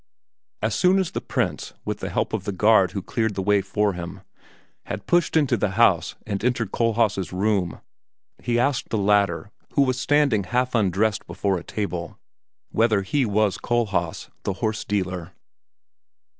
As soon as the Prince, with the help of the guard who cleared the way for him, had pushed into the house and entered Kohlhaas' room, he asked the latter, who was standing half undressed before a table, whether he was Kohlhaas, the horse dealer.